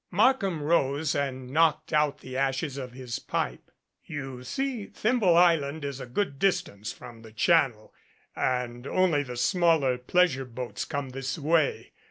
Markham rose and knocked out the ashes of his pipe. "You see, Thimble Island is a good distance from the channel and only the smaller pleasure boats come this way.